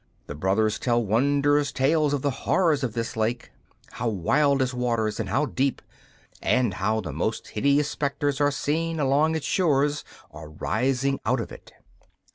The brothers tell wondrous tales of the horrors of this lake how wild its waters and how deep, and how the most hideous spectres are seen along its shores or rising out of it.